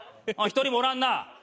一人もおらんな。